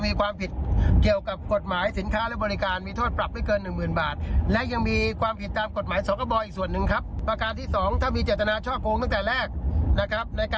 ในการโฆษณาขายสินค้า